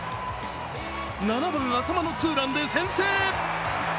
７番・淺間のツーランで先制。